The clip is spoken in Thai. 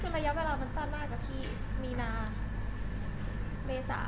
ละยะเวลามันสั้นมากที่มีนาหรือเมซับ